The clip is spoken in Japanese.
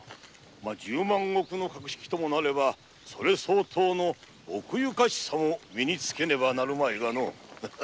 ま十万石の格式ならばそれ相応の奥ゆかしさも身につけねばなるまいがの。